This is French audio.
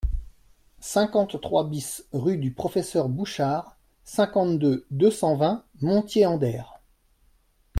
cinquante-trois BIS rue du Professeur Bouchard, cinquante-deux, deux cent vingt, Montier-en-Der